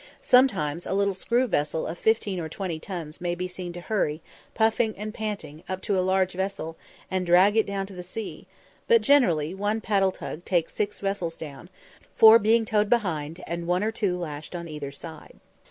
Sometimes a little screw vessel of fifteen or twenty tons may be seen to hurry, puffing and panting, up to a large vessel and drag it down to the sea; but generally one paddle tug takes six vessels down, four being towed behind and one or two lashed on either side.